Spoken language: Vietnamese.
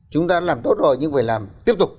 chúng ta làm tốt rồi nhưng phải làm tiếp tục